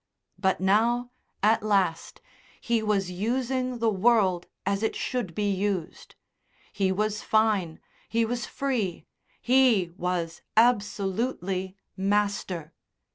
But now, at last, he was using the world as it should be used.... He was fine, he was free, he was absolutely master.